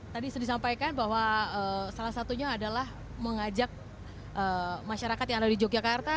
tadi sudah disampaikan bahwa salah satunya adalah mengajak masyarakat yang ada di yogyakarta